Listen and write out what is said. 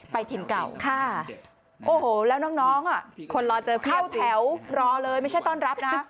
ถิ่นเก่าค่ะโอ้โหแล้วน้องคนรอเจอเข้าแถวรอเลยไม่ใช่ต้อนรับนะ